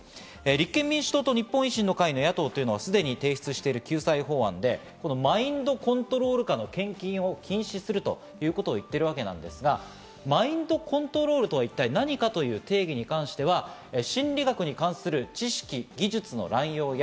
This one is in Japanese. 立憲民主党と日本維新の会の野党というのは、すでに提出している救済法案で、マインドコントロール下の献金を禁止するということを言ってるわけですが、マインドコントロールとは一体何かという定義に関してはこちら。